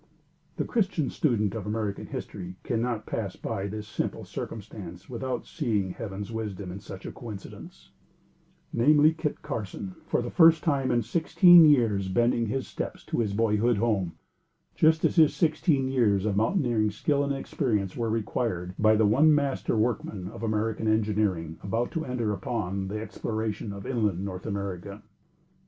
The Christian student of American history cannot pass by this simple circumstance without seeing Heaven's wisdom in such a coincidence; namely, Kit Carson for the first time in sixteen years bending his steps to his boyhood home just as his sixteen years of mountaineer skill and experience were required by one of the master workmen of American Engineering, about to enter upon the exploration of inland North America.